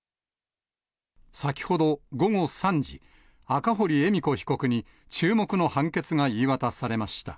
先ほど、午後３時、赤堀恵美子被告に注目の判決が言い渡されました。